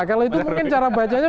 kalau itu mungkin cara bacanya